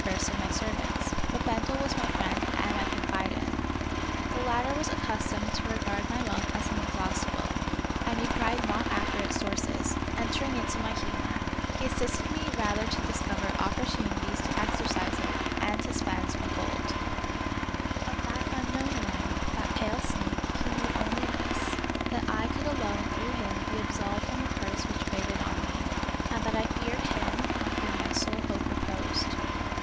first of my servants, but Bendel was my friend and my confidant. The latter was accustomed to regard my wealth as inexhaustible, and he pried not after its sources ; entering into my humor, he assisted me rather to discover opportunities to exercise it and to spend my 42 The Wonderful History gold. Of that unknown one, that pale sneak, he knew only this: that I could alone through him be absolved from the curse which weighed on me, and that I feared him on whom my sole hope reposed.